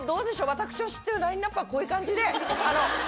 私の知ってるラインアップはこういう感じで。